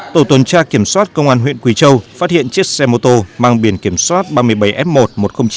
tổ tuần tra kiểm soát công an huyện quỳ châu phát hiện chiếc xe mô tô mang biển kiểm soát ba mươi bảy f một một mươi nghìn chín trăm năm mươi chín